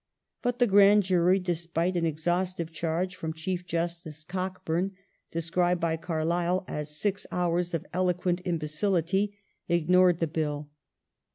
But the Grand Jury, despite an ex haustive charge from Chief Justice Cockburn — described by Carlyle " as six hours of eloquent imbecility ''— ignored the Bill.